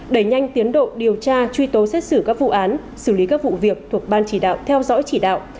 đẩy nhanh tiến độ điều tra truy tố xét xử các vụ án xử lý các vụ việc thuộc ban chỉ đạo theo dõi chỉ đạo